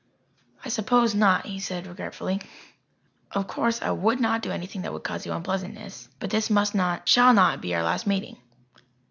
"I suppose not," he said regretfully. "Of course I would not do anything that would cause you unpleasantness. But this must not shall not be our last meeting."